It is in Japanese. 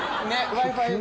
Ｗｉ−Ｆｉ？